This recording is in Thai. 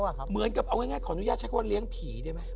เหมือนกับเอาง่ายขออนุญาตใช้คำว่าเลี้ยงผีได้ไหม